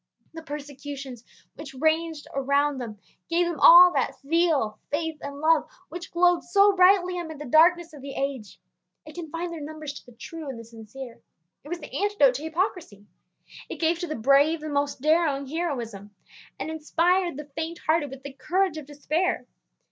The persecutions which raged around them gave them all that zeal, faith, and love which glowed so brightly amid the darkness of the age. It confined their numbers to the true and the sincere. It was the antidote to hypocrisy. It gave to the brave the most daring heroism, and inspired the fainthearted with the courage of despair.